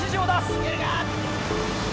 いけるか？